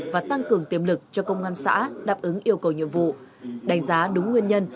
và tăng cường tiềm lực cho công an xã đáp ứng yêu cầu nhiệm vụ đánh giá đúng nguyên nhân